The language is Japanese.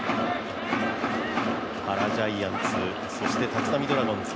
原ジャイアンツ、そして立浪ドラゴンズ。